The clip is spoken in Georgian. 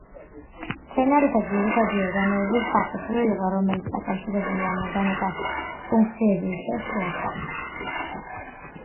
მცენარეთა ძირითადი ორგანოების სახეცვლილება, რომელიც დაკავშირებულია ამ ორგანოთა ფუნქციების შეცვლასთან.